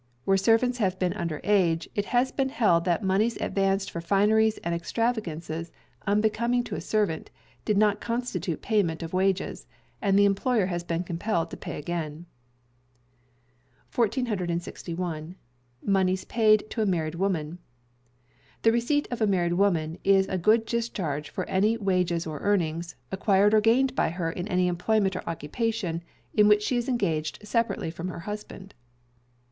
Where servants have been under age, it has been held that moneys advanced for fineries and extravagances unbecoming to a servant did not constitute payment of wages, and the employer has been compelled to pay again. 1461. Moneys paid to a Married Woman. The receipt of a married woman is a good discharge for any wages or earnings, acquired or gained by her in any employment or occupation in which she is engaged separately from her husband.